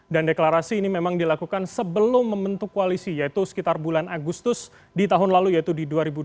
dan deklarasi ini memang dilakukan sebelum membentuk koalisi yaitu sekitar bulan agustus di tahun lalu yaitu di dua ribu dua puluh dua